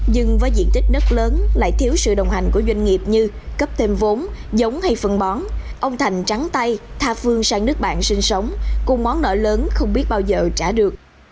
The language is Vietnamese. nhưng với diện tích nất lớn lại thiếu sự đồng hành của doanh nghiệp như cấp thêm vốn giống hay phần bón ông thành trắng tay tha phương sang nước bạn sinh sống cùng món nở lớn không biết bao giờ trả được